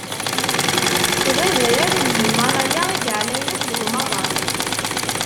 D adrar n Himalaya i yeɛlayen akk deg umaḍal.